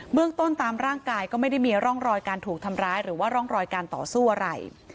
เมืองต้นตามร่างกายก็ไม่ได้มีร่องรอยการถูกทำร้ายหรือว่าร่องรอยการต่อสู้อะไร